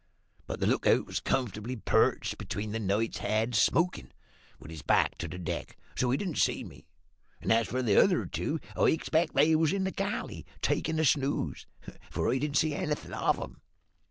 But the lookout was comfortably perched between the knight heads, smokin', with his back to the deck, so he didn't see me; and, as for the other two, I expects they was in the galley, takin' a snooze, for I didn't see anything of 'em.